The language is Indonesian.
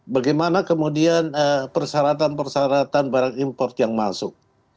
bagaimana kemudian persyaratan persyaratan barang impor yang masuk